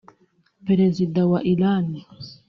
perezida wa Irani